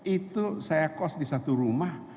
itu saya kos di satu rumah